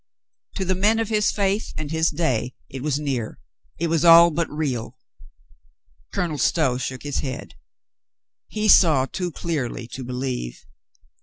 To the men of his faith and his day it was near, it was all but real. Colonel Stow shook his head. He saw too clearly to believe.